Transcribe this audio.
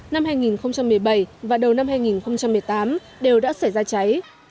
năm hai nghìn một mươi bảy và đầu năm hai nghìn một mươi tám đều đã xảy ra cháy